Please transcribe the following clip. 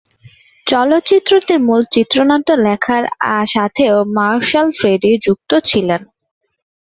চলচ্চিত্রটির মূল চিত্রনাট্য লেখার সাথেও মার্শাল ফ্রেডি যুক্ত ছিলেন।